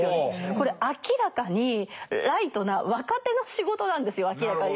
これ明らかにライトな若手の仕事なんですよ明らかに。